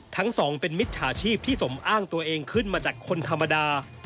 ทั้งสองเป็นมิจฉาชีพที่สมอ้างตัวเองขึ้นมาจากคนธรรมดา